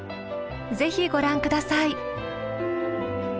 ぜひご覧下さい。